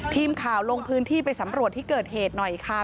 ทีมข่าวลงพื้นที่ไปสำรวจที่เกิดเหตุหน่อยค่ะ